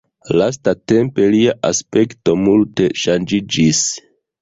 Lastatempe lia aspekto multe ŝanĝiĝis.